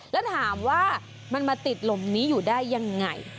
แล้วถามว่ามันมาติดลมนี้อยู่ได้ยังไง